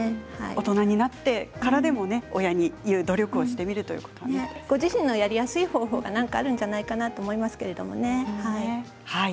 大人になってからでも親に言う努力をしてみるご自身のやりやすい方法が何かあるんじゃないかなと思います。